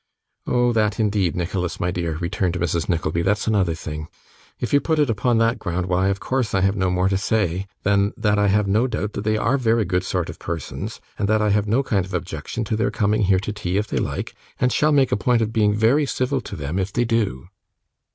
'Oh that, indeed, Nicholas, my dear,' returned Mrs. Nickleby, 'that's another thing. If you put it upon that ground, why, of course, I have no more to say, than that I have no doubt they are very good sort of persons, and that I have no kind of objection to their coming here to tea if they like, and shall make a point of being very civil to them if they do.